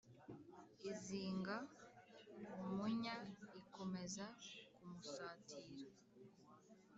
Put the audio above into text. izinga umunya ikomeza kumusatira